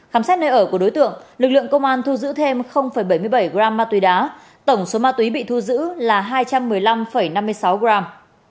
khám xét nơi ở của đối tượng lực lượng công an thu giữ thêm bảy mươi bảy gram ma túy đá tổng số ma túy bị thu giữ là hai trăm một mươi năm năm mươi sáu gram